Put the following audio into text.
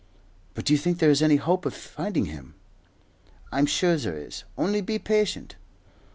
"But do you think there is any hope of finding him?" "I'm sure there is, only be patient."